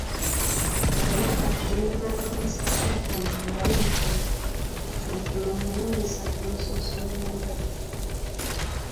Era kati ne mmala mmusisinkana awalungi wati, mazima mmuwunyisa ku musosolandaggu.